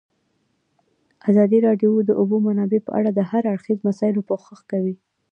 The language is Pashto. ازادي راډیو د د اوبو منابع په اړه د هر اړخیزو مسایلو پوښښ کړی.